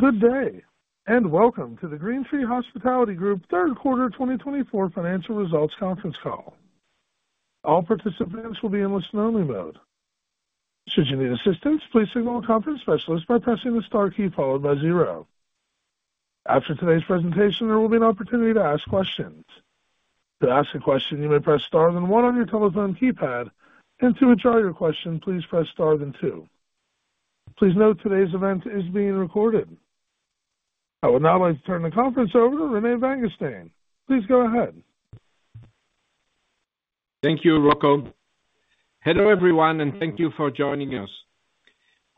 Good day, and welcome to the GreenTree Hospitality Group Third Quarter 2024 Financial Results Conference Call. All participants will be in listen-only mode. Should you need assistance, please signal a conference specialist by pressing the star key followed by zero. After today's presentation, there will be an opportunity to ask questions. To ask a question, you may press star then one on your telephone keypad, and to withdraw your question, please press star then two. Please note today's event is being recorded. I would now like to turn the conference over to Rene Vanguestaine. Please go ahead. Thank you, Rocco. Hello everyone, and thank you for joining us.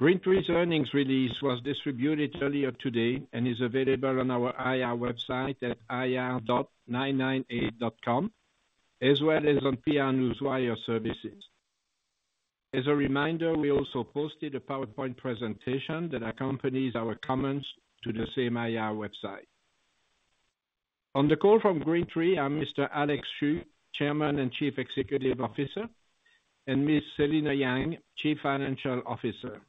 GreenTree's earnings release was distributed earlier today and is available on our IR website at ir998.com, as well as on PR Newswire services. As a reminder, we also posted a PowerPoint presentation that accompanies our comments to the same IR website. On the call from GreenTree, I'm Mr. Alex Xu, Chairman and Chief Executive Officer, and Ms. Selina Yang, Chief Financial Officer.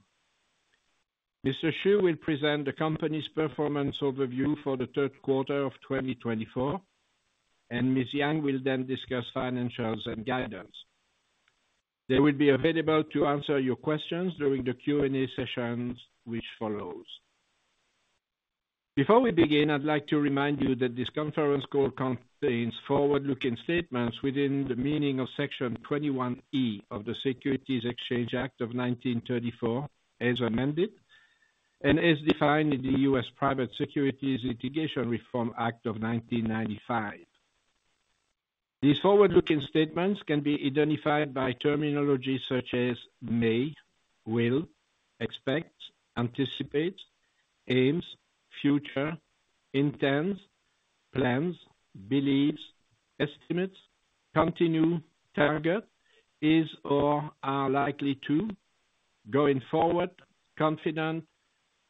Mr. Xu will present the company's performance overview for the third quarter of 2024, and Ms. Yang will then discuss financials and guidance. They will be available to answer your questions during the Q&A sessions, which follows. Before we begin, I'd like to remind you that this conference call contains forward-looking statements within the meaning of Section 21E of the Securities Exchange Act of 1934, as amended, and as defined in the U.S. Private Securities Litigation Reform Act of 1995. These forward-looking statements can be identified by terminology such as may, will, expect, anticipate, aims, future, intends, plans, believes, estimates, continue, target, is or are likely to, going forward, confident,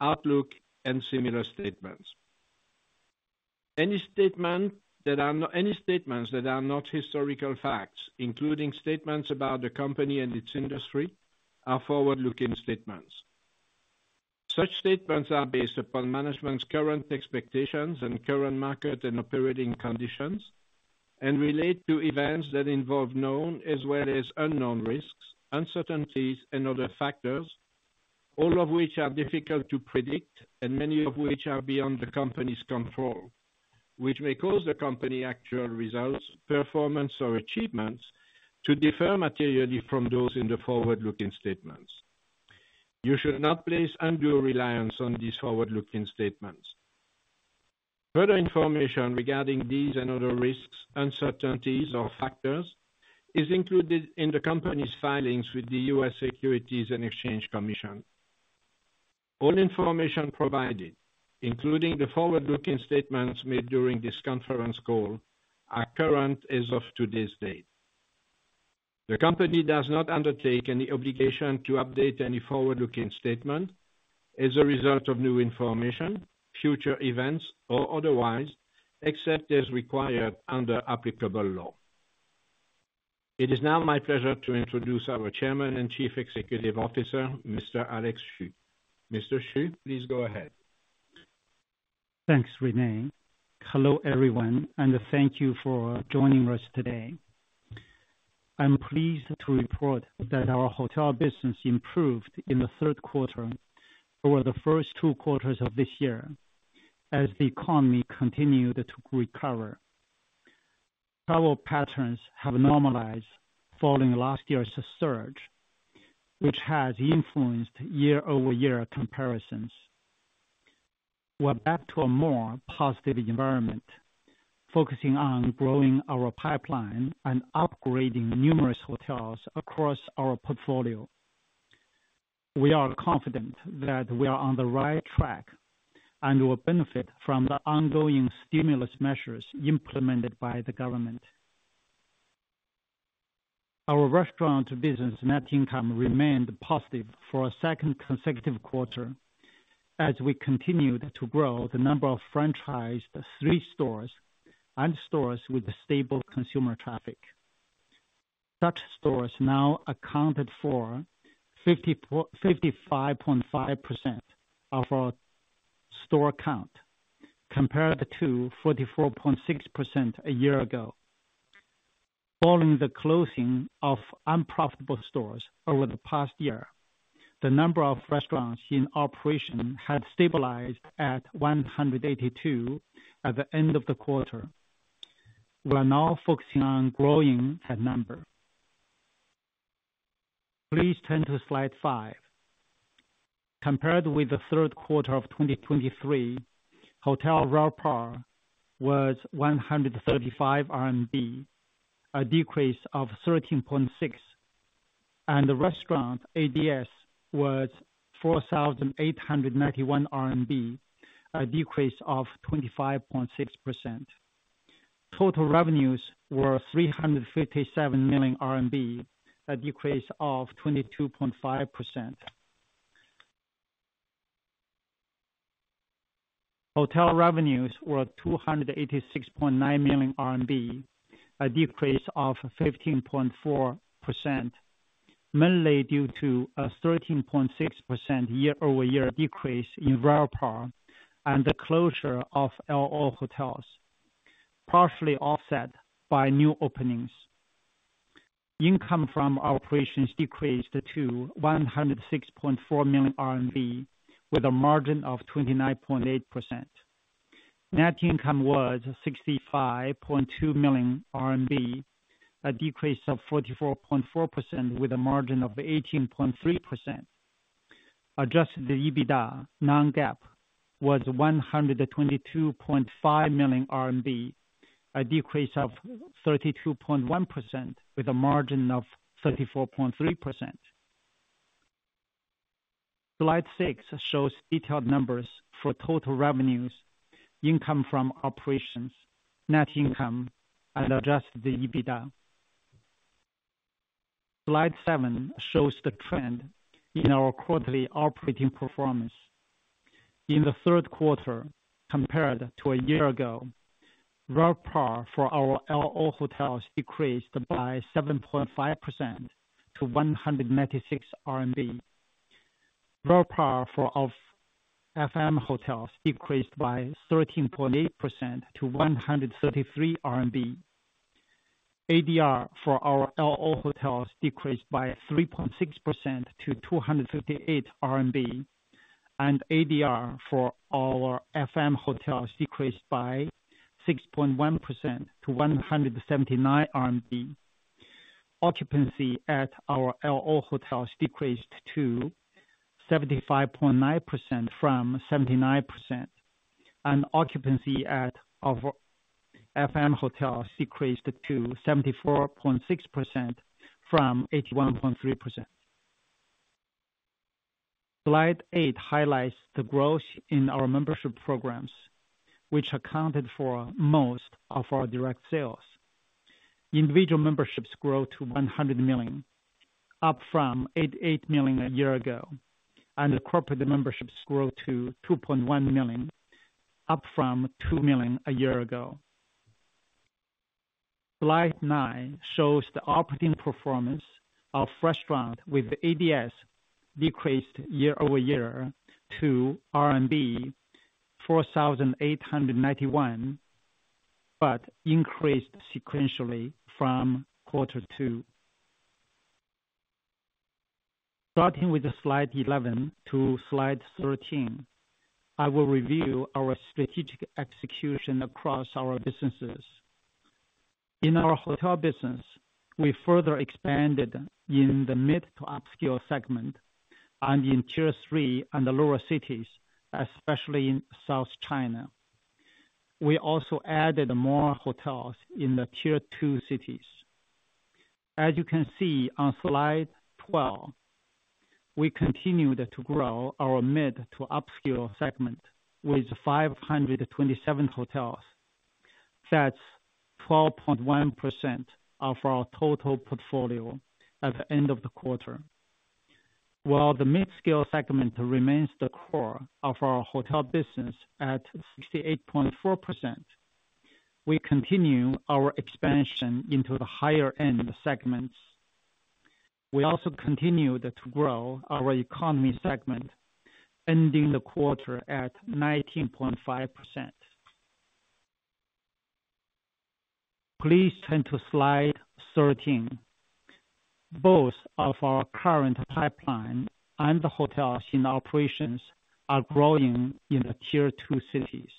outlook, and similar statements. Any statements that are not historical facts, including statements about the company and its industry, are forward-looking statements. Such statements are based upon management's current expectations and current market and operating conditions, and relate to events that involve known as well as unknown risks, uncertainties, and other factors, all of which are difficult to predict, and many of which are beyond the company's control, which may cause the company's actual results, performance, or achievements to differ materially from those in the forward-looking statements. You should not place undue reliance on these forward-looking statements. Further information regarding these and other risks, uncertainties, or factors is included in the company's filings with the U.S. Securities and Exchange Commission. All information provided, including the forward-looking statements made during this conference call, are current as of today's date. The company does not undertake any obligation to update any forward-looking statement as a result of new information, future events, or otherwise, except as required under applicable law. It is now my pleasure to introduce our Chairman and Chief Executive Officer, Mr. Alex Xu. Mr. Xu, please go ahead. Thanks, René. Hello everyone, and thank you for joining us today. I'm pleased to report that our hotel business improved in the third quarter over the first two quarters of this year as the economy continued to recover. Travel patterns have normalized following last year's surge, which has influenced year-over-year comparisons. We're back to a more positive environment, focusing on growing our pipeline and upgrading numerous hotels across our portfolio. We are confident that we are on the right track and will benefit from the ongoing stimulus measures implemented by the government. Our restaurant business net income remained positive for a second consecutive quarter as we continued to grow the number of franchised street stores and stores with stable consumer traffic. Such stores now accounted for 55.5% of our store count compared to 44.6% a year ago. Following the closing of unprofitable stores over the past year, the number of restaurants in operation had stabilized at 182 at the end of the quarter. We are now focusing on growing that number. Please turn to slide five. Compared with the third quarter of 2023, Hotel RevPAR was 135 RMB, a decrease of 13.6%, and the restaurant ADS was 4,891 RMB, a decrease of 25.6%. Total revenues were 357 million RMB, a decrease of 22.5%. Hotel revenues were 286.9 million RMB, a decrease of 15.4%, mainly due to a 13.6% year-over-year decrease in RevPAR and the closure of LO hotels, partially offset by new openings. Income from operations decreased to 106.4 million RMB with a margin of 29.8%. Net income was 65.2 million RMB, a decrease of 44.4%, with a margin of 18.3%. Adjusted EBITDA non-GAAP was 122.5 million RMB, a decrease of 32.1%, with a margin of 34.3%. Slide six shows detailed numbers for total revenues, income from operations, net income, and adjusted EBITDA. Slide seven shows the trend in our quarterly operating performance. In the third quarter, compared to a year ago, RevPAR for our LO hotels decreased by 7.5% to CNY 196. RevPAR for our FM hotels decreased by 13.8% to 133 RMB. ADR for our LO hotels decreased by 3.6% to 258 RMB, and ADR for our FM hotels decreased by 6.1% to 179 RMB. Occupancy at our LO hotels decreased to 75.9% from 79%, and occupancy at our FM hotels decreased to 74.6% from 81.3%. Slide eight highlights the growth in our membership programs, which accounted for most of our direct sales. Individual memberships grew to 100 million, up from 88 million a year ago, and the corporate memberships grew to 2.1 million, up from 2 million a year ago. Slide nine shows the operating performance of restaurants with ADS decreased year-over-year to RMB 4,891, but increased sequentially from quarter two. Starting with slide 11 to slide 13, I will review our strategic execution across our businesses. In our hotel business, we further expanded in the mid-to-upscale segment and in Tier 3 and the lower cities, especially in South China. We also added more hotels in the Tier 2 cities. As you can see on slide 12, we continued to grow our mid-to-upscale segment with 527 hotels, that's 12.1% of our total portfolio at the end of the quarter. While the mid-scale segment remains the core of our hotel business at 68.4%, we continue our expansion into the higher-end segments. We also continued to grow our economy segment, ending the quarter at 19.5%. Please turn to slide 13. Both of our current pipeline and the hotels in operations are growing in the Tier 2 cities.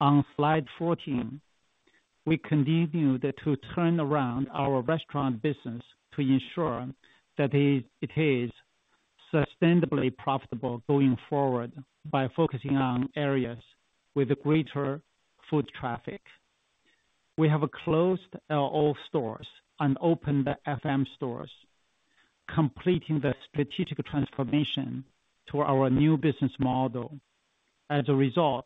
On slide 14, we continued to turn around our restaurant business to ensure that it is sustainably profitable going forward by focusing on areas with greater food traffic. We have closed LO stores and opened FM stores, completing the strategic transformation to our new business model. As a result,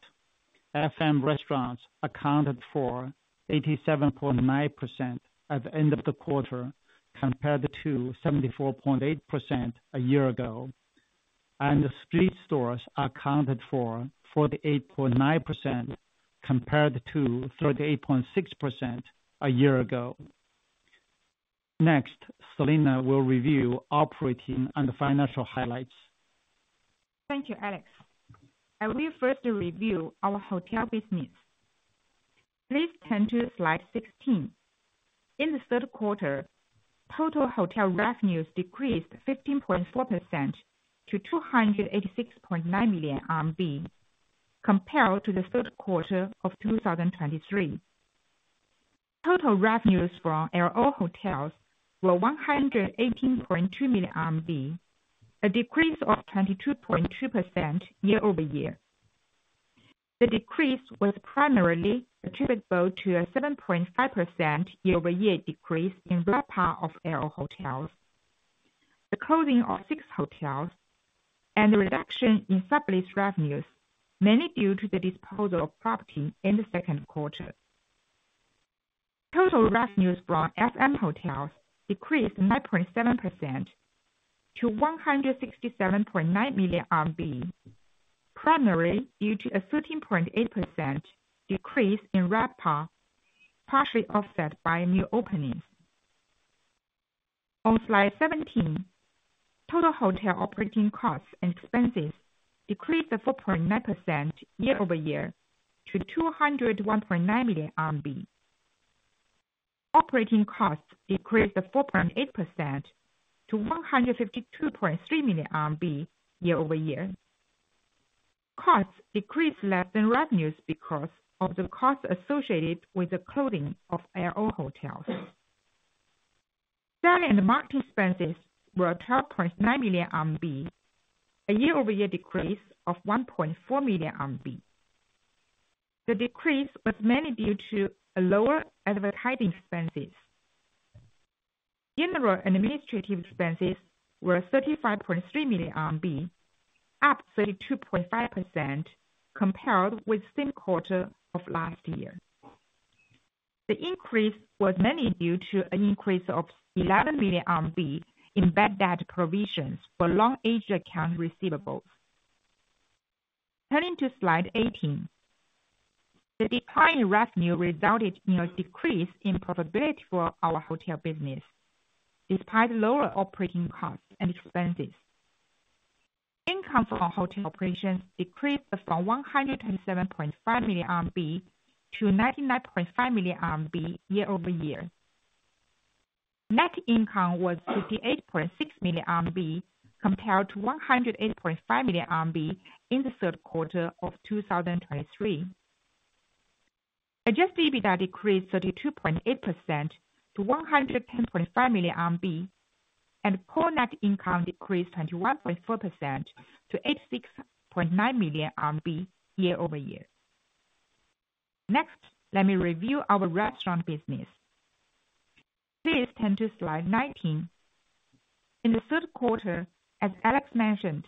FM restaurants accounted for 87.9% at the end of the quarter compared to 74.8% a year ago, and street stores accounted for 48.9% compared to 38.6% a year ago. Next, Selina will review operating and financial highlights. Thank you, Alex. I will first review our hotel business. Please turn to slide 16. In the third quarter, total hotel revenues decreased 15.4% to 286.9 million RMB, compared to the third quarter of 2023. Total revenues from LO hotels were 118.2 million RMB, a decrease of 22.2% year-over-year. The decrease was primarily attributable to a 7.5% year-over-year decrease in RevPAR of LO hotels, the closing of six hotels, and the reduction in sublease revenues, mainly due to the disposal of property in the second quarter. Total revenues from FM hotels decreased 9.7% to 167.9 million RMB, primarily due to a 13.8% decrease in RevPAR, partially offset by new openings. On slide 17, total hotel operating costs and expenses decreased 4.9% year-over-year to 201.9 million RMB. Operating costs decreased 4.8% to 152.3 million RMB year-over-year. Costs decreased less than revenues because of the costs associated with the closing of LO hotels. Selling and marketing expenses were 12.9 million RMB, a year-over-year decrease of 1.4 million RMB. The decrease was mainly due to lower advertising expenses. General administrative expenses were 35.3 million RMB, up 32.5%, compared with the same quarter of last year. The increase was mainly due to an increase of 11 million RMB in bad debt provisions for aged accounts receivable. Turning to slide 18, the declining revenue resulted in a decrease in profitability for our hotel business, despite lower operating costs and expenses. Income from hotel operations decreased from 127.5 million RMB to 99.5 million RMB year-over-year. Net income was 58.6 million RMB, compared to 108.5 million RMB in the third quarter of 2023. Adjusted EBITDA decreased 32.8% to 110.5 million RMB, and core net income decreased 21.4% to 86.9 million RMB year-over-year. Next, let me review our restaurant business. Please turn to slide 19. In the third quarter, as Alex mentioned,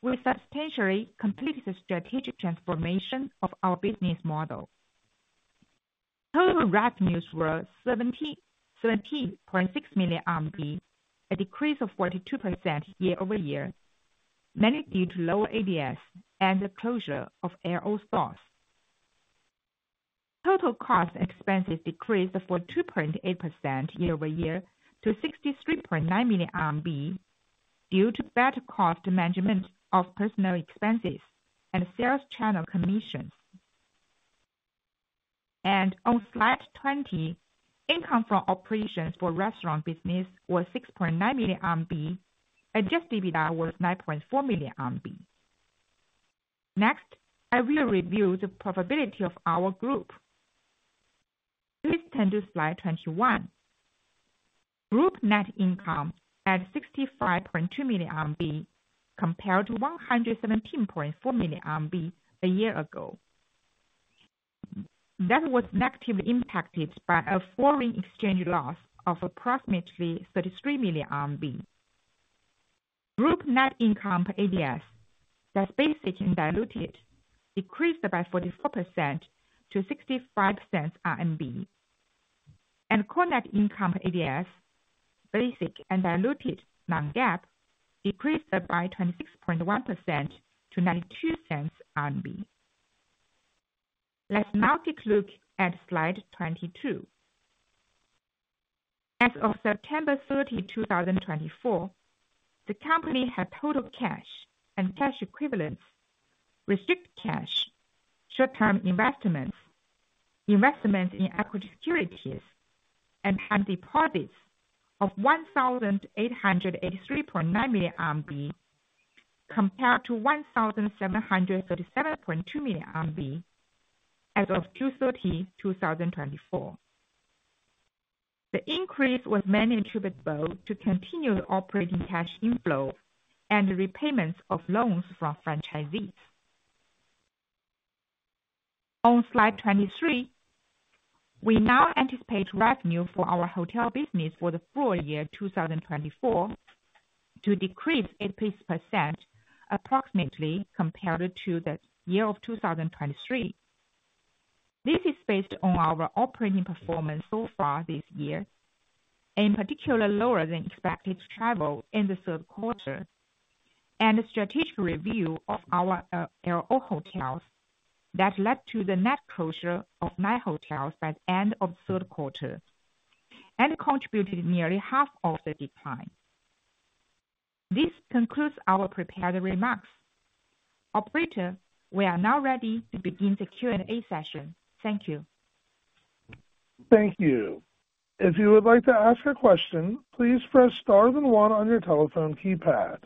we substantially completed the strategic transformation of our business model. Total revenues were 17.6 million RMB, a decrease of 42% year-over-year, mainly due to lower ADS and the closure of LO stores. Total costs and expenses decreased 42.8% year-over-year to 63.9 million RMB due to better cost management of personal expenses and sales channel commissions, and on slide 20, income from operations for restaurant business was 6.9 million RMB, Adjusted EBITDA was 9.4 million RMB. Next, I will review the profitability of our group. Please turn to slide 21. Group net income at 65.2 million RMB, compared to 117.4 million RMB a year ago. That was negatively impacted by a foreign exchange loss of approximately 33 million RMB. Group net income per ADS, that's basic and diluted, decreased by 44% to 0.65. And core net income per ADS, basic and diluted, non-GAAP, decreased by 26.1% to 0.92. Let's now take a look at slide 22. As of September 30, 2024, the company had total cash and cash equivalents, restricted cash, short-term investments, investments in equity securities, and deposits of 1,883.9 million RMB, compared to 1,737.2 million RMB as of June 30, 2024. The increase was mainly attributable to continued operating cash inflow and repayments of loans from franchisees. On slide 23, we now anticipate revenue for our hotel business for the full year 2024 to decrease 8.6% approximately compared to the year of 2023. This is based on our operating performance so far this year, in particular lower than expected travel in the third quarter, and the strategic review of our LO hotels that led to the net closure of nine hotels by the end of the third quarter, and contributed nearly half of the decline. This concludes our prepared remarks. Operator, we are now ready to begin the Q&A session. Thank you. Thank you. If you would like to ask a question, please press star then one on your telephone keypad.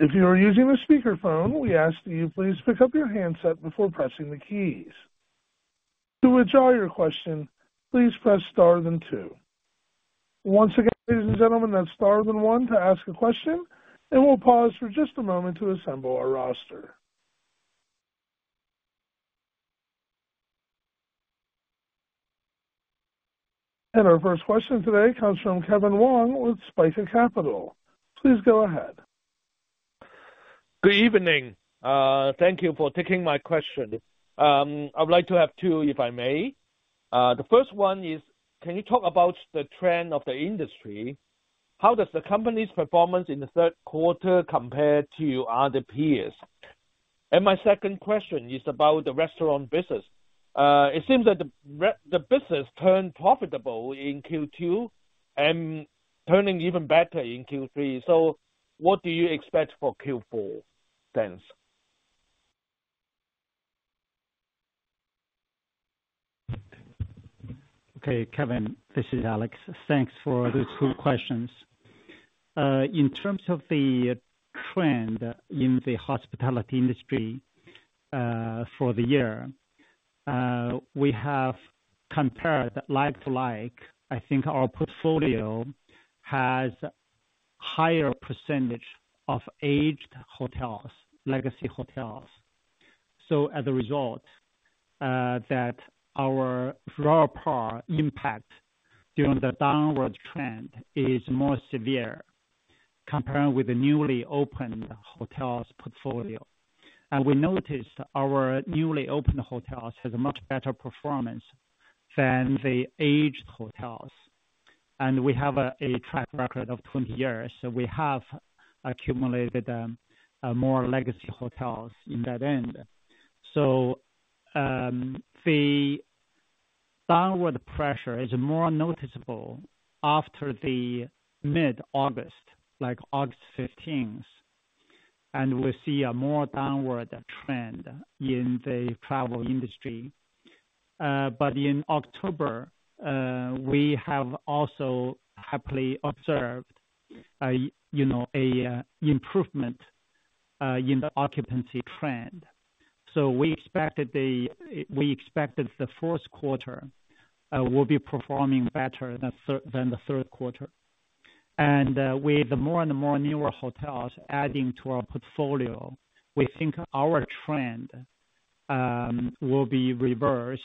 If you are using a speakerphone, we ask that you please pick up your handset before pressing the keys. To withdraw your question, please press star then two. Once again, ladies and gentlemen, that's star then one to ask a question, and we'll pause for just a moment to assemble our roster. Our first question today comes from Calvin Wong with Spica Capital. Please go ahead. Good evening. Thank you for taking my question. I'd like to have two, if I may. The first one is, can you talk about the trend of the industry? How does the company's performance in the third quarter compare to other peers? And my second question is about the restaurant business. It seems that the business turned profitable in Q2 and turning even better in Q3. So what do you expect for Q4? Thanks. Okay, Calvin, this is Alex. Thanks for those two questions. In terms of the trend in the hospitality industry for the year, we have compared like to like. I think our portfolio has a higher percentage of aged hotels, legacy hotels, so as a result, our RevPAR impact during the downward trend is more severe compared with the newly opened hotels portfolio, and we noticed our newly opened hotels have a much better performance than the aged hotels. We have a track record of 20 years. We have accumulated more legacy hotels in that end, so the downward pressure is more noticeable after the mid-August, like August 15th, and we see a more downward trend in the travel industry, but in October, we have also happily observed an improvement in the occupancy trend, so we expected the fourth quarter will be performing better than the third quarter. And with more and more newer hotels adding to our portfolio, we think our trend will be reversed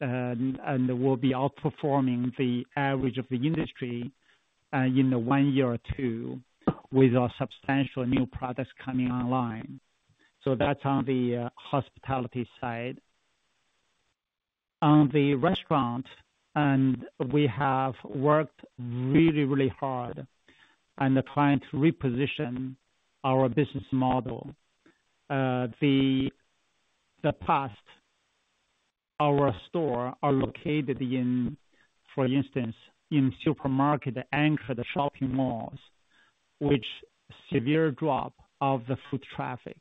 and will be outperforming the average of the industry in one year or two with substantial new products coming online. So that's on the hospitality side. On the restaurant, we have worked really, really hard on trying to reposition our business model. In the past, our stores are located, for instance, in supermarket-anchored shopping malls, which is a severe drop in the foot traffic.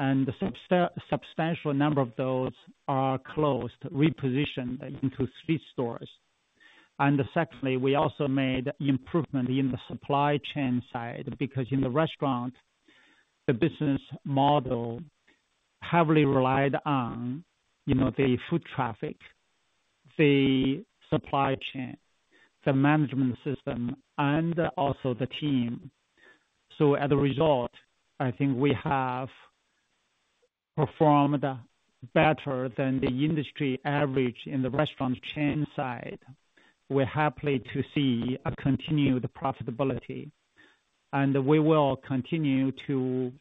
And a substantial number of those are closed, repositioned into street stores. And secondly, we also made improvements in the supply chain side because in the restaurant, the business model heavily relied on the foot traffic, the supply chain, the management system, and also the team. So as a result, I think we have performed better than the industry average in the restaurant chain side. We're happy to see a continued profitability. And we will continue to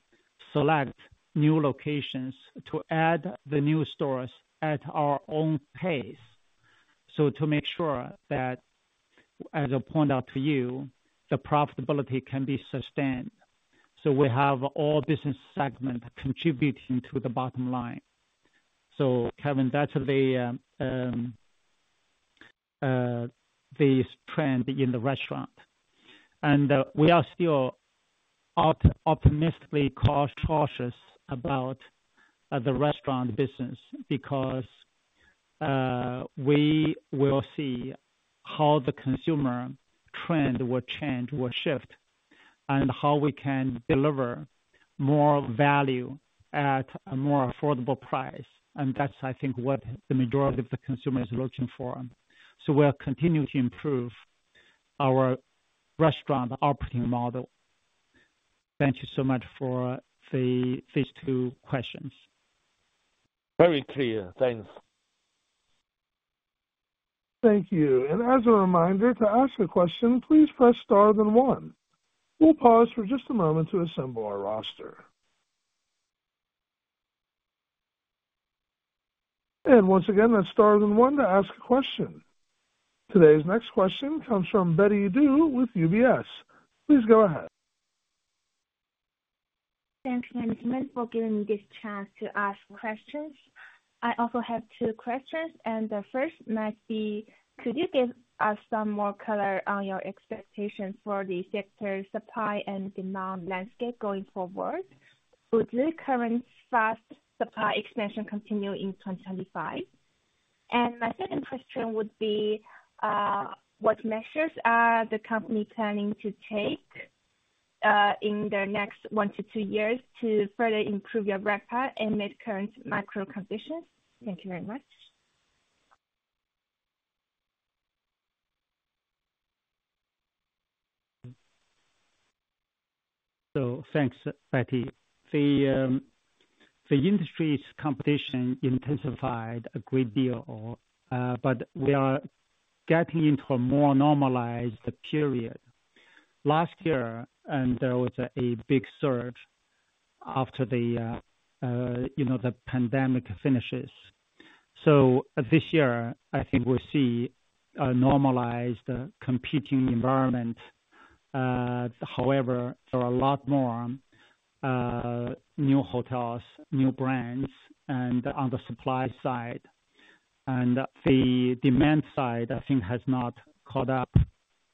select new locations to add the new stores at our own pace. So to make sure that, as I pointed out to you, the profitability can be sustained. So we have all business segments contributing to the bottom line. So Kevin, that's the trend in the restaurant. And we are still optimistically cautious about the restaurant business because we will see how the consumer trend will change, will shift, and how we can deliver more value at a more affordable price. And that's, I think, what the majority of the consumers are looking for. So we'll continue to improve our restaurant operating model. Thank you so much for these two questions. Very clear. Thanks. Thank you, and as a reminder, to ask a question, please press star then one. We'll pause for just a moment to assemble our roster, and once again, that's star then one to ask a question. Today's next question comes from Betty Liu with UBS. Please go ahead. Thank you, for giving me this chance to ask questions. I also have two questions. The first might be, could you give us some more color on your expectations for the sector supply and demand landscape going forward? Would the current fast supply expansion continue in 2025? My second question would be, what measures are the company planning to take in the next one to two years to further improve your RevPAR and meet current macro-conditions? Thank you very much. So thanks, Betty. The industry's competition intensified a great deal, but we are getting into a more normalized period. Last year, there was a big surge after the pandemic finishes. So this year, I think we'll see a normalized competing environment. However, there are a lot more new hotels, new brands, and on the supply side. And the demand side, I think, has not caught up.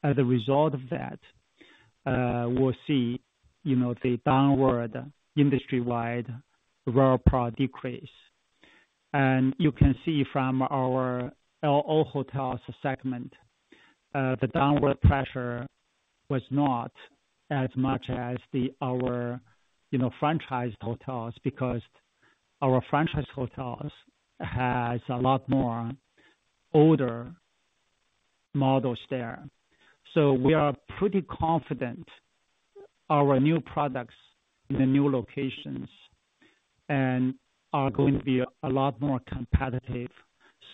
As a result of that, we'll see the downward industry-wide RevPAR decrease. And you can see from our LO hotels segment, the downward pressure was not as much as our franchise hotels because our franchise hotels have a lot more older models there. So we are pretty confident our new products in the new locations are going to be a lot more competitive.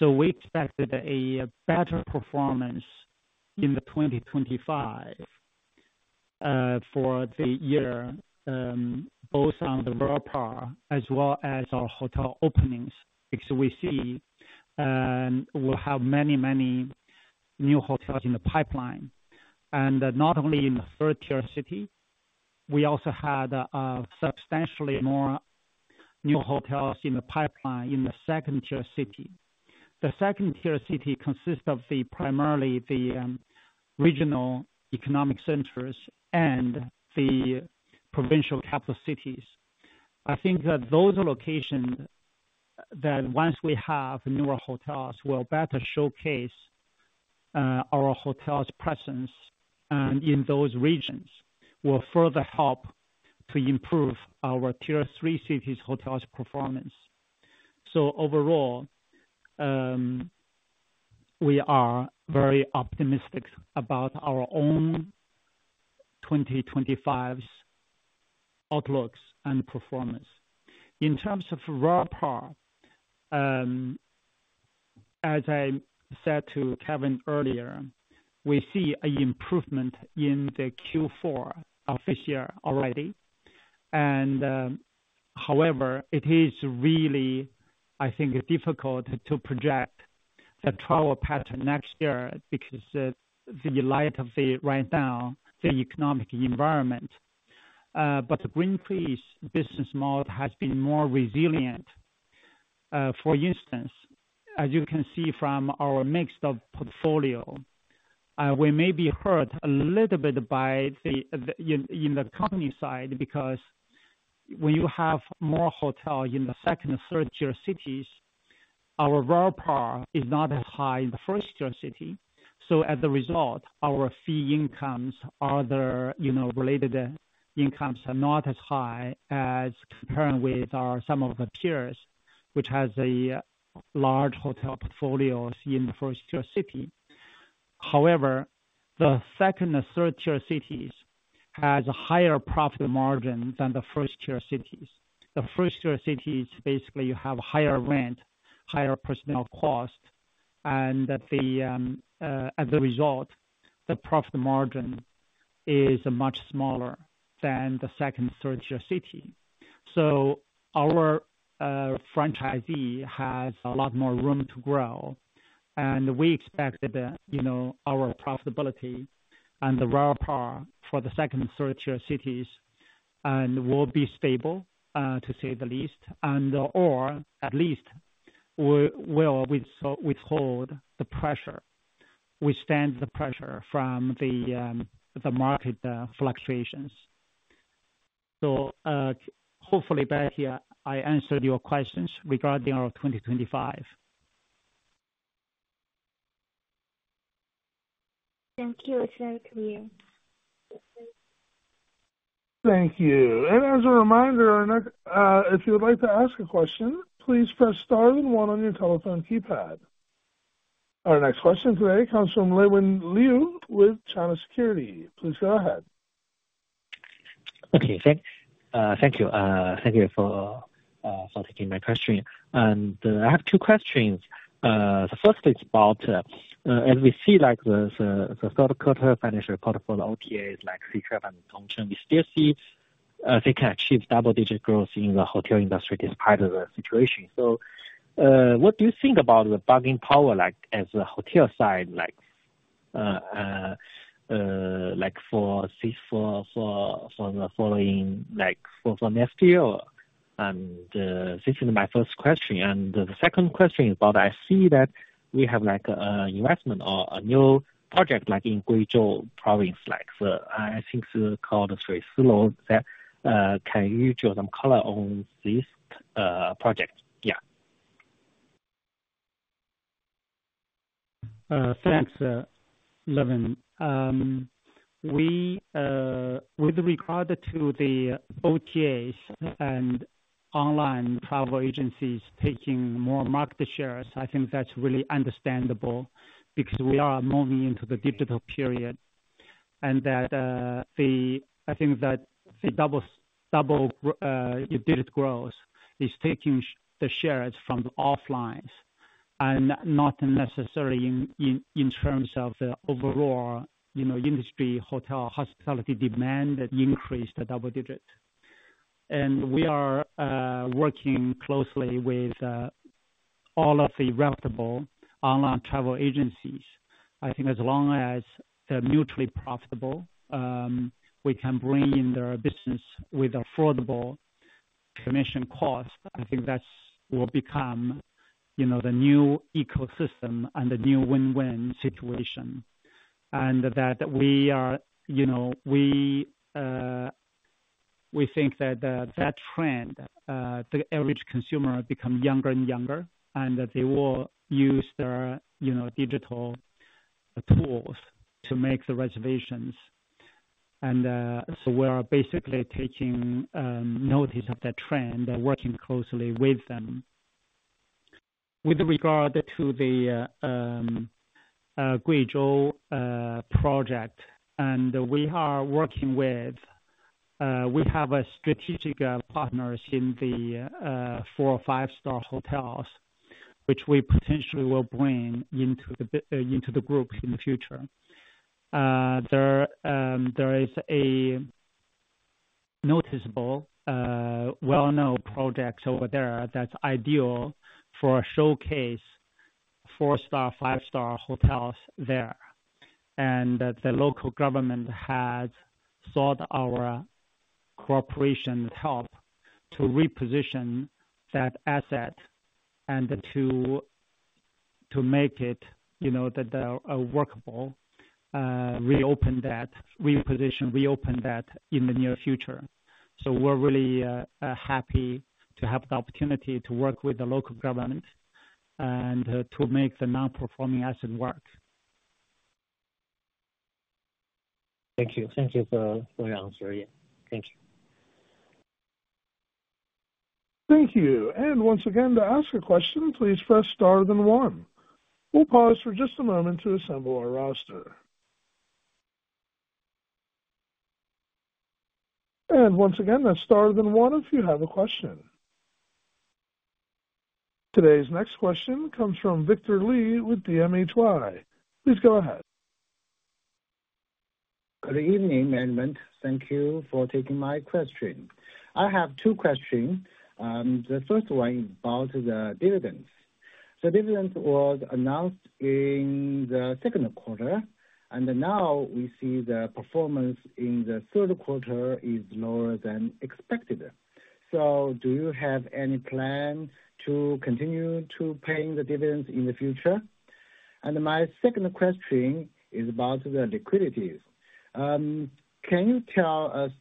We expected a better performance in 2025 for the year, both on the RevPAR as well as our hotel openings, because we see we'll have many, many new hotels in the pipeline. And not only in the Tier 3 city, we also had substantially more new hotels in the pipeline in the Tier 2 city. The Tier 2 city consists of primarily the regional economic centers and the provincial capital cities. I think those locations that once we have newer hotels will better showcase our hotel's presence in those regions will further help to improve our Tier 3 cities' hotel's performance. So overall, we are very optimistic about our own 2025 outlooks and performance. In terms of RevPAR, as I said to Kevin earlier, we see an improvement in the Q4 of this year already. However, it is really, I think, difficult to project the travel pattern next year because in light of the current economic environment. GreenTree's business model has been more resilient. For instance, as you can see from our mixed portfolio, we may be hurt a little bit in the company side because when you have more hotels in the Tier 2 and Tier 3 cities, our RevPAR is not as high in the Tier 1 city. As a result, our fee incomes, other related incomes, are not as high as compared with some of the peers, which have large hotel portfolios in the Tier 1 city. However, the Tier 2 and Tier 3 cities have a higher profit margin than the Tier 1 cities. The Tier 1 cities, basically, you have higher rent, higher personnel cost. As a result, the profit margin is much smaller than the Tier 2 and Tier 3 city. So our franchisee has a lot more room to grow. And we expect that our profitability and the RevPAR for the second- and third-tier cities will be stable, to say the least, or at least we'll withhold the pressure. We stand the pressure from the market fluctuations. So hopefully, Betty, I answered your questions regarding our 2025. Thank you. It's very clear. Thank you. And as a reminder, if you would like to ask a question, please press star then one on your telephone keypad. Our next question today comes from Lewen Liu with China Securities. Please go ahead. Okay. Thank you. Thank you for taking my question. And I have two questions. The first is about, as we see, the third-quarter financial report for the OTAs, like Ctrip and Tongcheng, we still see they can achieve double-digit growth in the hotel industry despite the situation. So what do you think about the buying power on the hotel side for the following next year? And this is my first question. And the second question is about, I see that we have an investment or a new project in Guizhou Province. I think it's called Shuixilou. Can you add some color on this project? Yeah. Thanks, Liwen. With regard to the OTAs and online travel agencies taking more market shares, I think that's really understandable because we are moving into the digital period. And I think that the double-digit growth is taking the shares from the offlines, and not necessarily in terms of the overall industry hotel hospitality demand that increased double digit. And we are working closely with all of the reputable online travel agencies. I think as long as they're mutually profitable, we can bring in their business with affordable commission costs. I think that will become the new ecosystem and the new win-win situation. And we think that that trend, the average consumer becomes younger and younger, and they will use their digital tools to make the reservations. And so we are basically taking notice of that trend and working closely with them. With regard to the Guizhou project, and we are working with. We have strategic partners in the four- or five-star hotels, which we potentially will bring into the group in the future. There is a notable, well-known project over there that's ideal for a showcase four- or five-star hotels there. And the local government has sought our cooperation to help reposition that asset and to make it workable, to reopen and reposition that in the near future. So we're really happy to have the opportunity to work with the local government and to make the non-performing asset work. Thank you. Thank you for your answer. Yeah. Thank you. Thank you. And once again, to ask a question, please press star then one. We'll pause for just a moment to assemble our roster. And once again, that's star then one if you have a question. Today's next question comes from Victor Liu with DMHY. Please go ahead. Good evening, Yiping. Thank you for taking my question. I have two questions. The first one is about the dividends. The dividends were announced in the second quarter, and now we see the performance in the third quarter is lower than expected. So do you have any plan to continue to pay the dividends in the future? And my second question is about the liquidity. Can you tell us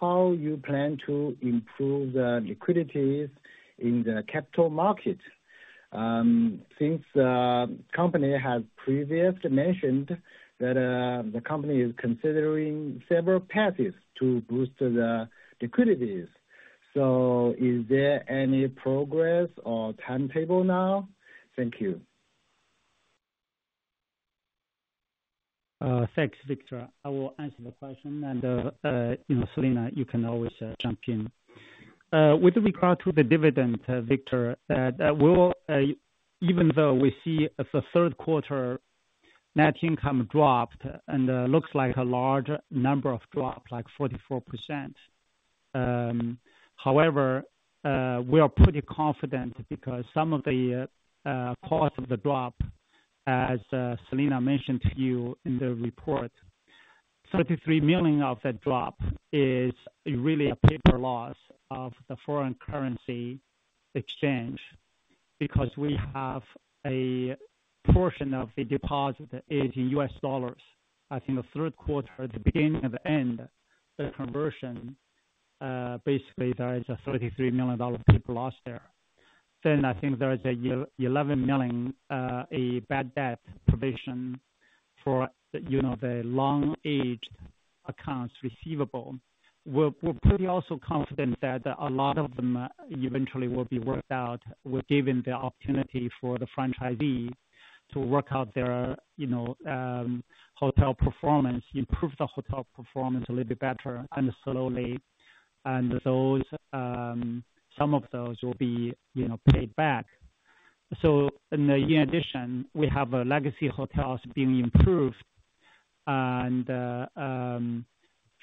how you plan to improve the liquidity in the capital market? Since the company has previously mentioned that the company is considering several paths to boost the liquidity. So is there any progress or timetable now? Thank you. Thanks, Victor. I will answer the question. And, Yiping, you can always jump in. With regard to the dividends, Victor, even though we see the third quarter net income dropped and looks like a large number of drop, like 44%, however, we are pretty confident because some of the cause of the drop, as Selina mentioned to you in the report, 33 million of that drop is really a paper loss of the foreign currency exchange because we have a portion of the deposit is in US dollars. I think the third quarter, the beginning of the end, the conversion, basically, there is a $33 million paper loss there. Then I think there is an 11 million, a bad debt provision for the long-aged accounts receivable. We're pretty also confident that a lot of them eventually will be worked out, given the opportunity for the franchisee to work out their hotel performance, improve the hotel performance a little bit better and slowly, and some of those will be paid back, so in addition, we have legacy hotels being improved, and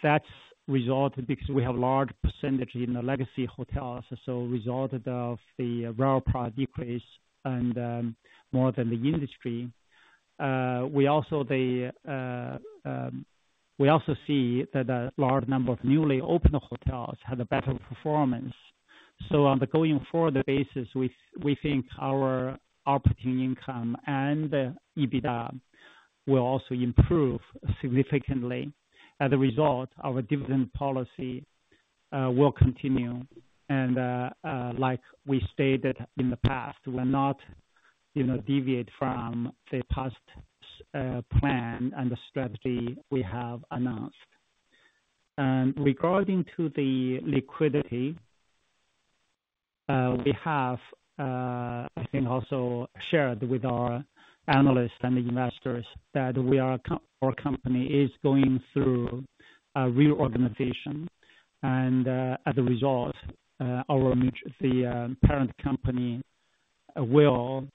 that's resulted because we have a large percentage in the legacy hotels, so resulted of the RevPAR decrease and more than the industry. We also see that a large number of newly opened hotels have a better performance, so on the going forward basis, we think our operating income and EBITDA will also improve significantly. As a result, our dividend policy will continue, and like we stated in the past, we'll not deviate from the past plan and the strategy we have announced. And regarding to the liquidity, we have, I think, also shared with our analysts and investors that our company is going through a reorganization. And as a result, the parent company will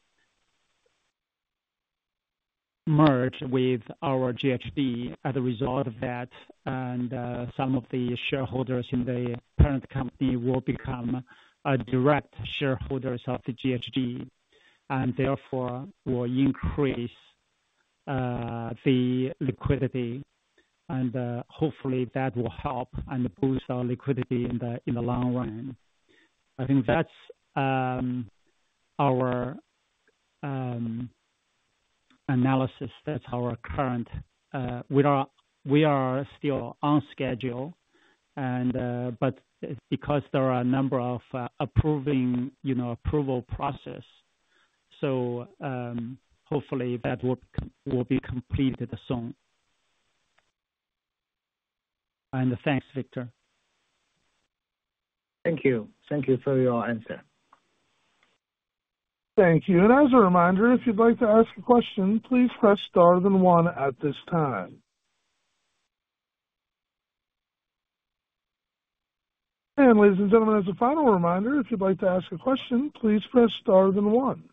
merge with our GHG as a result of that. And some of the shareholders in the parent company will become direct shareholders of the GHG. And therefore, will increase the liquidity. And hopefully, that will help and boost our liquidity in the long run. I think that's our analysis. That's our current. We are still on schedule. But because there are a number of approval processes, so hopefully, that will be completed soon. And thanks, Victor. Thank you. Thank you for your answer. Thank you. And as a reminder, if you'd like to ask a question, please press star then one at this time. And ladies and gentlemen, as a final reminder, if you'd like to ask a question, please press star then one.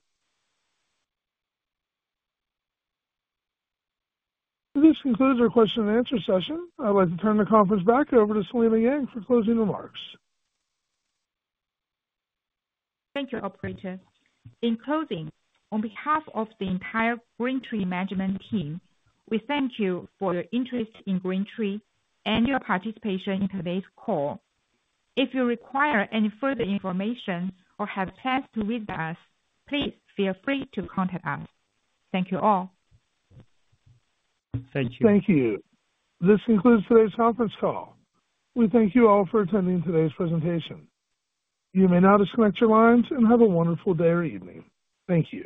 This concludes our question and answer session. I'd like to turn the conference back over to Selina Yang for closing remarks. Thank you, Operator. In closing, on behalf of the entire GreenTree Management Team, we thank you for your interest in GreenTree and your participation in today's call. If you require any further information or have plans to reach us, please feel free to contact us. Thank you all. Thank you. Thank you. This concludes today's conference call. We thank you all for attending today's presentation. You may now disconnect your lines and have a wonderful day or evening. Thank you.